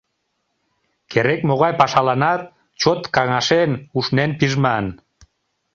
Керек-могай пашаланат чот каҥашен, ушнен пижман.